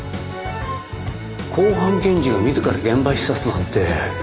公判検事が自ら現場視察なんて。